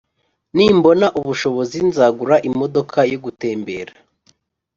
Nimbona ubushobozi nzagura imodoka yogutembera